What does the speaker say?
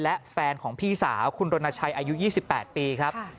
และแฟนของพี่สาวคุณรณชัยอายุ๒๘ปีครับ